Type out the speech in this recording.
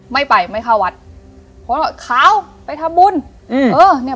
ไม่ไปไม่เข้าวัดเพราะว่าขาวไปทำบุญอืมเออเนี้ย